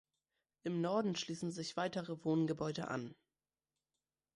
Im Norden schliessen sich weitere Wohngebäude an.